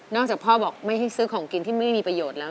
จากพ่อบอกไม่ให้ซื้อของกินที่ไม่มีประโยชน์แล้ว